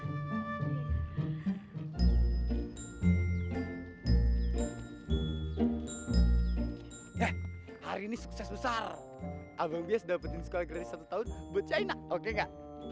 eh hari ini sukses besar abang bias dapetin sekolah grace satu tahun buat china oke gak